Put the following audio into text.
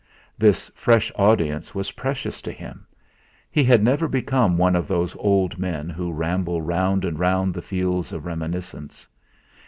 This fresh audience was precious to him; he had never become one of those old men who ramble round and round the fields of reminiscence.